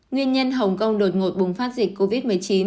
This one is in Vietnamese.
nguyên nhân hồng kông đột ngột bùng phát dịch covid một mươi chín